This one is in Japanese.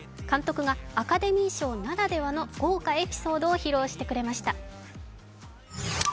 監督がアカデミー賞ならではの豪華エピソードを披露してくれました。